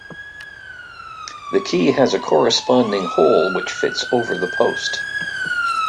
The key has a corresponding hole which fits over the post.